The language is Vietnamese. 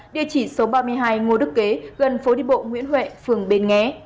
địa chỉ số ba mươi hai ngô đức kế gần phố đi bộ nguyễn huệ phường bến nghé